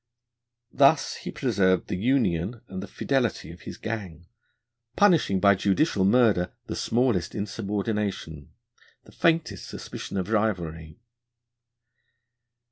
Thus he preserved the union and the fidelity of his gang, punishing by judicial murder the smallest insubordination, the faintest suspicion of rivalry.